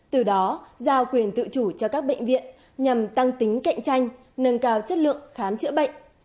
từ đó giao quyền tự chủ cho các bệnh viện nhằm tăng tính cạnh tranh nâng cao chất lượng khám chữa bệnh